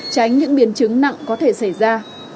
tránh những biến chứng nặng có thể xảy ra